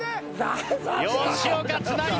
吉岡つないだ！